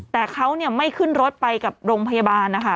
แต่เขาไม่ขึ้นรถไปกับโรงพยาบาลนะคะ